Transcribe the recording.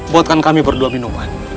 buatkan kami berdua minuman